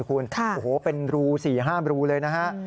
โอ้โฮเป็นรูสี่ห้ามรูเลยนะฮะ